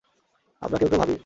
আমরা কেউ কেউ ভাবি।